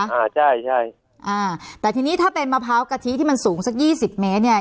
อ่าใช่ใช่อ่าแต่ทีนี้ถ้าเป็นมะพร้าวกะทิที่มันสูงสักยี่สิบเมตรเนี้ย